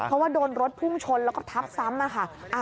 เพราะว่าโดนรถพุ่งชนแล้วก็ทับซ้ำค่ะ